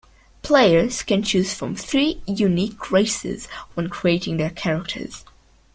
Players can choose from three unique races when creating their characters.